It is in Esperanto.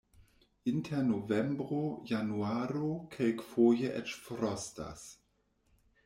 Inter novembro-januaro kelkfoje eĉ frostas.